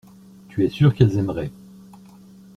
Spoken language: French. Tu es sûr qu’elles aimeraient.